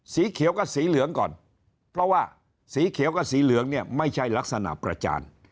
สีเขียวก็สีเหลืองก่อนเพราะว่าสีเขียวกับสีเหลืองเนี่ยไม่ใช่ลักษณะประจาน